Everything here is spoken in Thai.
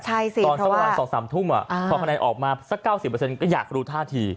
ตอนสักวัน๒๓ทุ่มพอคะแนนออกมา๙๐ก็อยากรู้ท่าที